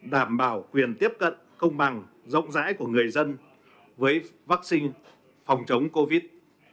đảm bảo quyền tiếp cận công bằng rộng rãi của người dân với vaccine phòng chống covid